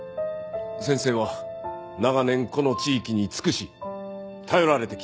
先生は長年この地域に尽くし頼られてきた。